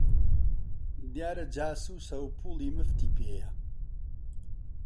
دیارە جاسووسە و پووڵی موفتی پێیە!